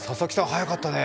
早かったね。